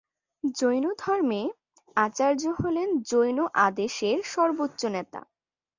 জৈনধর্মে, আচার্য হলেন জৈন আদেশের সর্বোচ্চ নেতা।